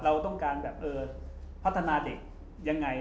เราต้องการแบบพัฒนาเด็กยังไง